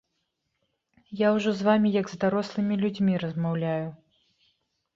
Я ўжо з вамі як з дарослымі людзьмі размаўляю.